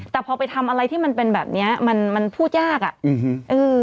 แต่พอไปทำอะไรที่มันเป็นแบบนี้มันพูดยากอ่ะ